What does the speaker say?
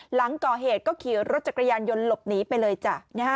หลังก่อเหตุก็ขี่รถจักรยานยนต์หลบหนีไปเลยจ้ะ